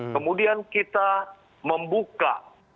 kemudian kita membuka